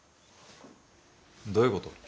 どういうこと？